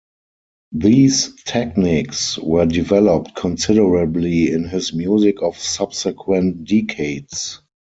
These techniques were developed considerably in his music of subsequent decades.